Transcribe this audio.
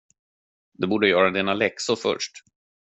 Du måste göra dina läxor först.